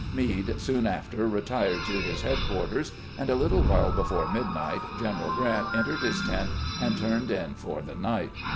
Meade soon after retired to his headquarters, and a little while before midnight General Grant entered his tent and turned in for the night.